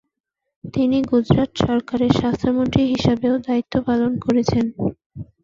তিনি গুজরাত সরকারের স্বাস্থ্যমন্ত্রী হিসাবেও দায়িত্ব পালন করেছেন।